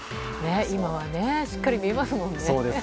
今はしっかり見えますもんね。